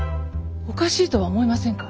おかしいとは思いませんか？